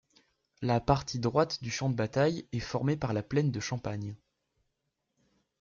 La partie droite du champ de bataille est formée par la plaine de Champagne.